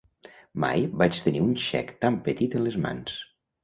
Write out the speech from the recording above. Mai vaig tenir un xec tan petit en les mans.